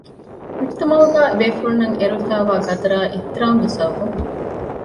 މުޖުތަމަޢުގައި އެ ބޭފުޅުންނަށް އެރުވިފައިވާ ޤަދަރާއި އިޙުތިރާމުގެ ސަބަބުން